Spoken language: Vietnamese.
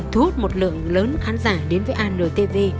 thu hút một lượng lớn khán giả đến với antv